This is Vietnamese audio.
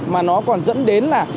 mà nó còn dẫn đến là